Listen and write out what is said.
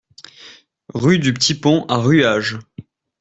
Rue du P'Tit Pont à Ruages